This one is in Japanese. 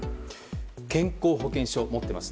健康保険証を持っていますね。